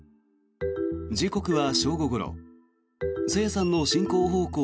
時刻は正午ごろ朝芽さんの進行方向